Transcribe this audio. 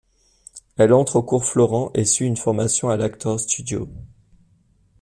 Elle entre au Cours Florent et suit une formation à l'Actors Studio.